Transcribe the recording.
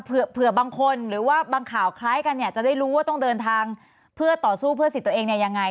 เผื่อบางคนหรือว่าบางข่าวคล้ายกันเนี่ยจะได้รู้ว่าต้องเดินทางเพื่อต่อสู้เพื่อสิทธิ์ตัวเองเนี่ยยังไง